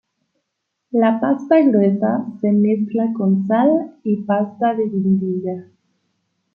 La pasta gruesa se mezcla con sal y pasta de guindilla.